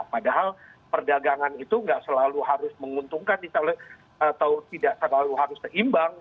padahal perdagangan itu nggak selalu harus menguntungkan atau tidak terlalu harus seimbang